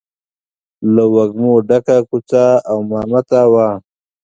له وږمو ډکه کوڅه او مامته وه.